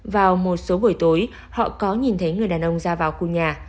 vào một số buổi tối họ có nhìn thấy người đàn ông ra vào khu nhà